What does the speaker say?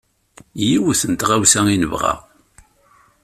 Yiwet n tɣawsa i nebɣa.